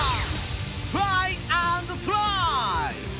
フライ＆トライ！